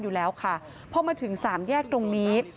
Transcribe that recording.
ที่แล้วค่ะเพราะมาถึง๓แยกตรงนี้